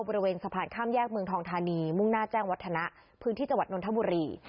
บริเวณสะพานข้ามแยกเมืองทองธานีมุ่งหน้าแจ้งวัฒนะพื้นที่จังหวัดนนทบุรี